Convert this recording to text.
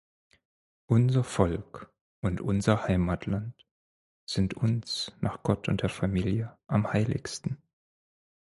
Unser Volk und unser Heimatland sind uns, nach Gott und der Familie, am heiligsten.